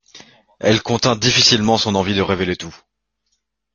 Elle contint difficilement son envie de révéler tout.